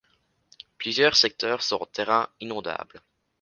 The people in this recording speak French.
Plusieurs secteurs sont en terrain inondable.